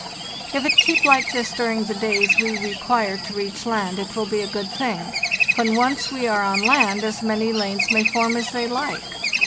* If it keep like this during the days we require to reach land, it will be a good thing; when once we are on land as many lanes may form as they like.